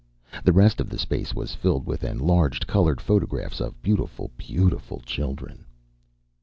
The rest of the space was filled with enlarged colored photographs of beautiful, beautiful children.